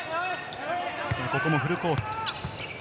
ここもフルコート。